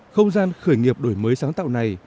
không gian khởi nghiệp đổi mới sáng tạo này